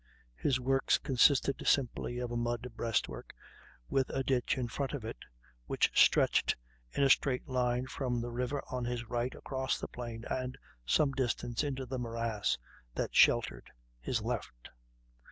His works consisted simply of a mud breastwork, with a ditch in front of it, which stretched in a straight line from the river on his right across the plain, and some distance into the morass that sheltered his left.